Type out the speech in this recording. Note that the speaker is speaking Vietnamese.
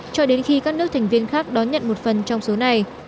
cho đến khi các nước thành viên khác đón nhận một phần trong số này